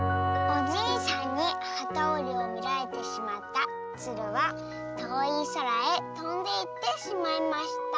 「おじいさんにはたおりをみられてしまったつるはとおいそらへとんでいってしまいました」。